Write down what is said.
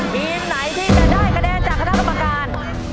ทีมไหนที่จะได้คะแนนจากคณะกรรมการ